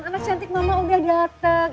anak cantik mama udah datang